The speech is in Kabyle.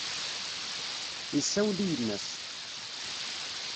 Yessawel i yemma-s.